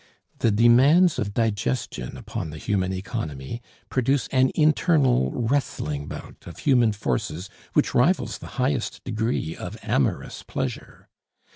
The demands of digestion upon the human economy produce an internal wrestling bout of human forces which rivals the highest degree of amorous pleasure.